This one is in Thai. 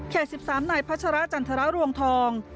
เขตสิบสามในพัชรจันทรรวงทอง